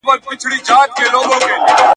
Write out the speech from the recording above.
د جرګي د غړو نوم لړ څوک برابروي؟